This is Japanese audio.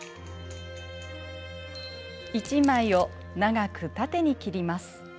１枚を長く縦に切ります。